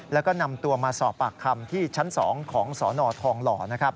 แล้วก็นำตัวมาสอบปากคำที่ชั้น๒ของสนทองหล่อนะครับ